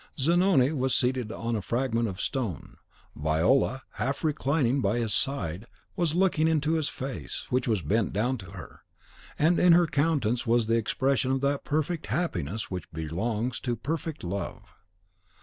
Zanoni was seated on a fragment of stone; Viola, half reclining by his side, was looking into his face, which was bent down to her, and in her countenance was the expression of that perfect happiness which belongs to perfect love.